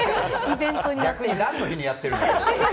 逆に何の日にやっているの？